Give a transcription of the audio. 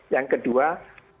yang kedua pada masyarakat